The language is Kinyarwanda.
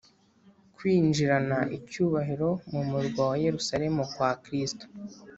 kwinjirana icyubahiro mu murwa wa yerusalemu kwa kristo